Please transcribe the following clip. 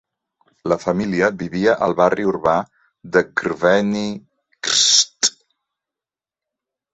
La família vivia al barri urbà de Crveni Krst.